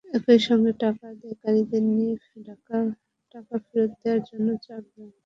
একই সঙ্গে টাকা আদায়কারীদেরও তিনি টাকা ফেরত দেওয়ার জন্য চাপ দেন।